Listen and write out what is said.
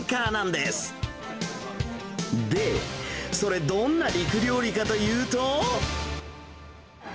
で、それどんな肉料理かというと。